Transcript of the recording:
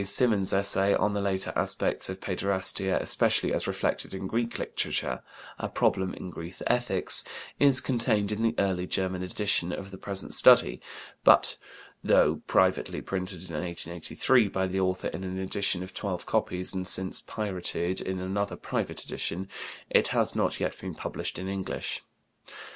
Symonds's essay on the later aspects of paiderastia, especially as reflected in Greek literature, A Problem in Greek Ethics, is contained in the early German edition of the present study, but (though privately printed in 1883 by the author in an edition of twelve copies and since pirated in another private edition) it has not yet been published in English.